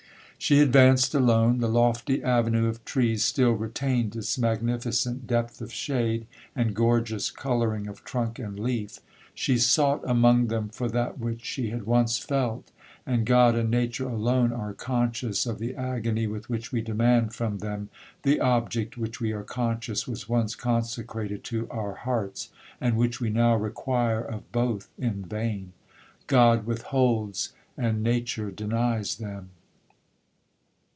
'She advanced alone—the lofty avenue of trees still retained its magnificent depth of shade, and gorgeous colouring of trunk and leaf. She sought among them for that which she had once felt—and God and nature alone are conscious of the agony with which we demand from them the object which we are conscious was once consecrated to our hearts, and which we now require of both in vain! God withholds,—and Nature denies them!